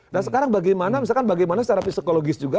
dan sekarang bagaimana misalkan bagaimana secara psikologis juga